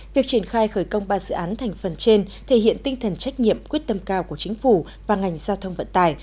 việc triển khai khởi công ba dự án thành phần trên thể hiện tinh thần trách nhiệm quyết tâm cao của chính phủ và ngành giao thông vận tải